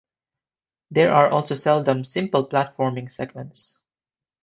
There are also seldom, simple platforming segments.